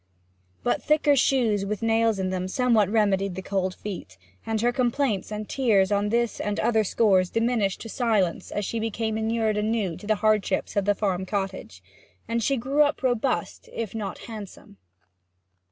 But thicker shoes with nails in them somewhat remedied the cold feet, and her complaints and tears on this and other scores diminished to silence as she became inured anew to the hardships of the farm cottage, and she grew up robust if not handsome.